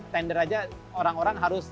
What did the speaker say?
tender aja orang orang harus